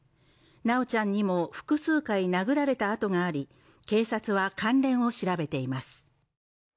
修ちゃんにも複数回殴られた痕があり、警察は関連を調べています。